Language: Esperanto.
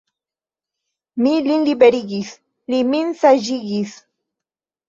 Mi lin liberigis, li min saĝigis.